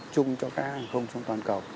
chúng cho các hãng không trong toàn cầu